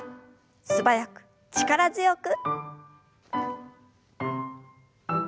素早く力強く。